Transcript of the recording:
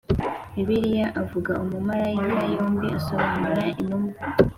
Bibiliya avuga umumarayika yombi asobanura intumwa